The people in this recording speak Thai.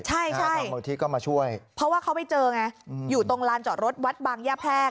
ใช่เพราะว่าเขาไปเจอไงอยู่ตรงร้านจอดรถวัดบางแย่แพรก